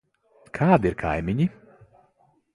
Kādi ir kaimiņi?